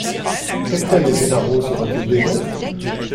Le capitaine Gennaro sera-t-il des nôtres ?